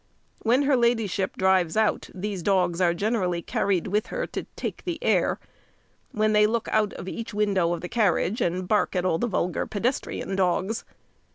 When her ladyship drives out, these dogs are generally carried with her to take the air; when they look out of each window of the carriage, and bark at all vulgar pedestrian dogs.